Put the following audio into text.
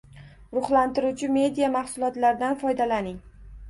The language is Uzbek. Ruhlantiruvchi media mahsulotlardan foydalaning